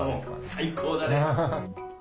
最高だね。